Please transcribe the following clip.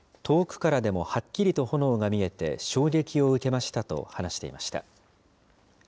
遠くからでもはっきりと炎が見えて、衝撃を受けましたと、話していました。